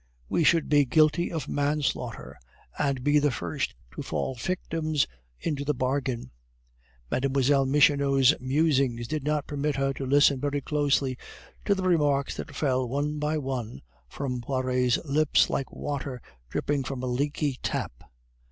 We should be guilty of manslaughter, and be the first to fall victims into the bargain!" Mlle. Michonneau's musings did not permit her to listen very closely to the remarks that fell one by one from Poiret's lips like water dripping from a leaky tap.